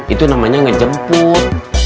itu namanya ngejemput